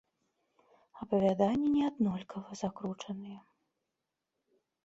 Апавяданні не аднолькава закручаныя.